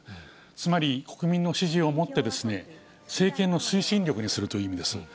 つまり国民の支持をもって、政権の推進力にするという意味です。